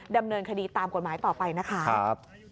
ดำเนินคดีตามกฎหมายต่อไปนะคะ